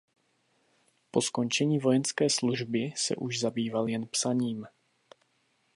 Po skončení vojenské služby se už zabýval jen psaním.